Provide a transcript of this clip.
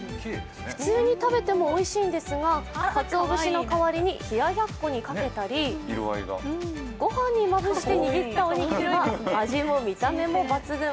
普通に食べてもおいしいですが、かつお節の代わりに冷ややっこにかけたり御飯にまぶして握ったおにぎりは味も見た目も抜群。